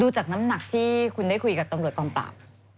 จากน้ำหนักที่คุณได้คุยกับตำรวจกองปราบ